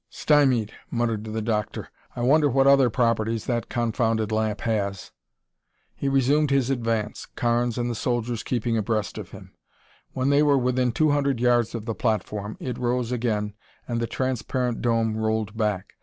"Stymied!" muttered the doctor. "I wonder what other properties that confounded lamp has." He resumed his advance, Carnes and the soldiers keeping abreast of him. When they were within two hundred yards of the platform it rose again and the transparent dome rolled back.